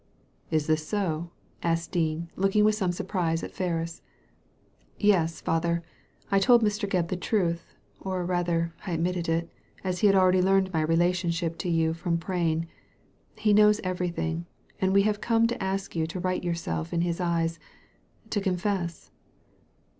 ^Is this so?" asked Dean, looking with some surprise at Ferris. " Yes, father. 1 told Mr. Gebb the truth, or, rather, I admitted it, as he had already learned my relation* ship to you from Prain. He knows everything, and we have come to ask you to right yourself in his eyes — to confess."